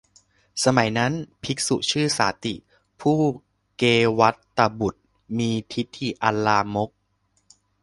สมัยนั้น ภิกษุชื่อสาติ ผู้เกวัฏฏบุตร มีทิฏฐิอันลามก